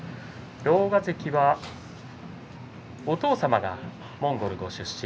狼雅関はお父様がモンゴルの出身